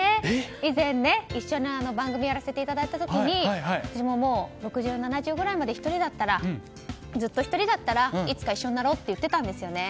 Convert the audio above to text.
以前ね、一緒の番組をやらせていただいた時に私も６０、７０ぐらいまでずっと１人だったらいつか一緒になろうって言っていたんですよね。